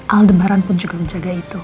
aldemaran pun juga menjaga itu